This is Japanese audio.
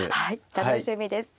楽しみです。